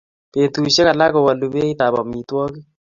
betushek alak kowoluu beit ab amitwokik